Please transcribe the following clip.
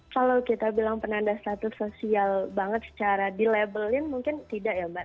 kalau kita bilang penanda status sosial banget secara dilabelin mungkin tidak ya mbak